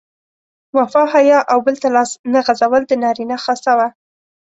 وفا، حیا او بل ته لاس نه غځول د نارینه خاصه وه.